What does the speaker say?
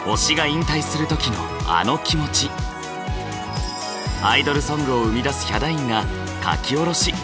更にアイドルソングを生み出すヒャダインが書き下ろし。